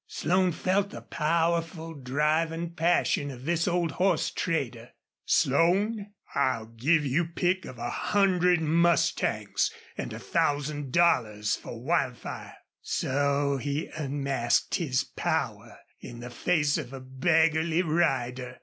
Slone felt the powerful driving passion of this old horse trader. "Slone, I'll give you pick of a hundred mustangs an' a thousand dollars for Wildfire!" So he unmasked his power in the face of a beggarly rider!